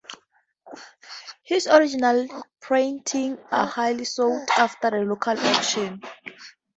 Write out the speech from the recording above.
His original praintings are highly sought after at local auctions.